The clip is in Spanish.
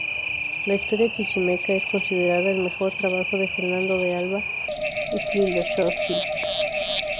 La "Historia chichimeca" es considerada el mejor trabajo de Fernando de Alva Ixtlilxóchitl.